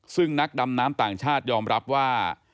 ซึ่งนักดำน้ำต่างชาติยอมรับว่า